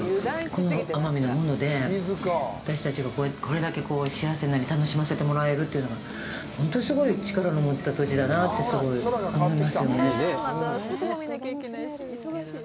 この奄美のもので私たちがこれだけで幸せになり楽しませてもらえるというのは本当にすごい力を持った土地だなって思いますよね。